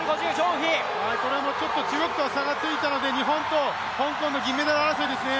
中国と差がついたので日本と香港の銀メダル争いですね。